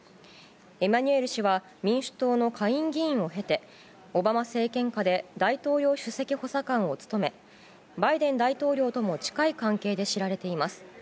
エマニュエル氏は民主党の下院議員を経てオバマ政権下で大統領首席補佐官を務めバイデン大統領とも近い関係で知られています。